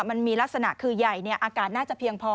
มันมีลักษณะคือใหญ่อากาศน่าจะเพียงพอ